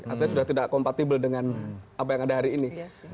artinya sudah tidak kompatibel dengan apa yang ada hari ini